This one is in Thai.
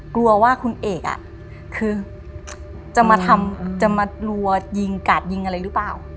กลัวว่าคุณเอกคือจะมาทำจะมารัวยิงกาดยิงอะไรหรือเปล่า